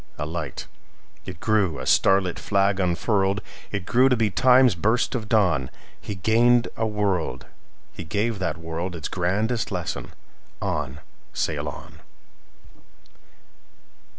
A light! It grew, a starlit flag unfurled! It grew to be Time's burst of dawn. He gained a world; he gave that worldIts grandest lesson: "On! sail on!"